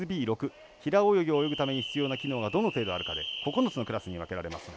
平泳ぎを泳ぐために必要な機能がどの程度あるかで９つのクラスに分けられます。